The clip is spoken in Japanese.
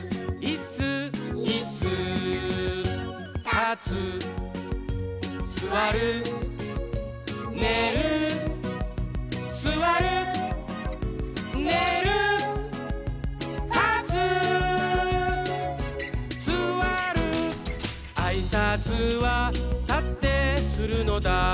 「たつすわる」「ねるすわる」「ねるたつすわる」「あいさつはたってするのだ」